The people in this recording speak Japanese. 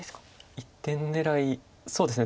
一点狙いそうですね